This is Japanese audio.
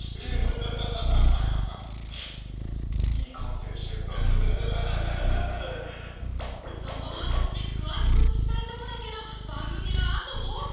みたいないい感性してるなとその話詳しく聞きたいとこだけど番組はあと５分！